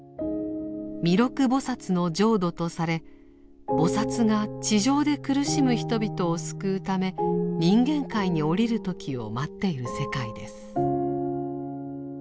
弥勒菩の浄土とされ菩が地上で苦しむ人々を救うため人間界に降りる時を待っている世界です。